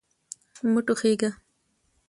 مه ټوخیژه